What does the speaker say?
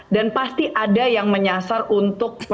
dan pasti ada yang menyasar untuk